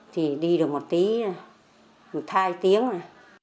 thì đi được một tí một thai tiếng à